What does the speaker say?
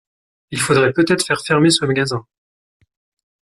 Il faudrait peut-être faire fermer ce magasin.